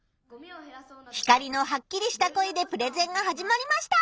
ヒカリのはっきりした声でプレゼンが始まりました。